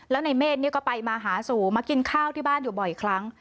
แล้วในเมฆก็ไปมาหาสู่มากินข้าวที่บ้านอยู่บ่อยครั้ง